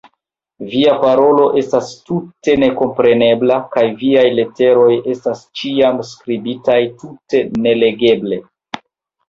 Via parolo estas tute nekomprenebla kaj viaj leteroj estas ĉiam skribitaj tute nelegeble.